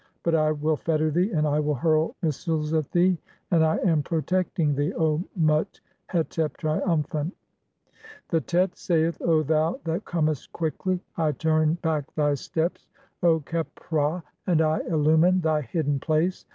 But I "will (3) fetter thee, and I will hurl missiles at thee ; and I "am (4) protecting thee, O Mut hetep, triumphant." IV. The Tet saith: — (1) "O thou that comest quickly, I turn "back thy steps, (2) O Kep hra, and I illumine thy hidden (3) "place.